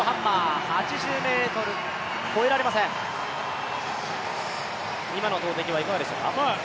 ８０ｍ、越えられません、今の投てきはいかがでしたか。